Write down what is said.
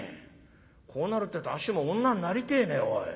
こうなるってえとあっしも女になりてえねおい。